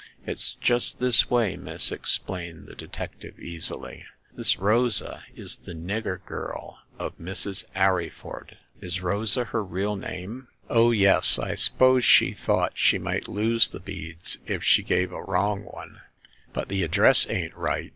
It's just this way, miss,*' explained the detec tive, easily. This Rosa is the nigger girl of Mrs. Arryford "" Is Rosa her real name ?"Oh, yes ; I s'pose she thought she might lose the beads if she gave a wrong one ; but the ad dress ain*t right.